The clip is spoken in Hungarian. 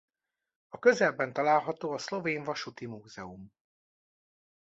A közelben található a Szlovén vasúti múzeum.